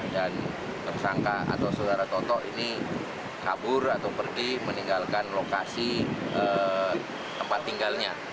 dan tersangka atau saudara toto ini kabur atau pergi meninggalkan lokasi tempat tinggalnya